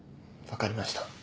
分かりました。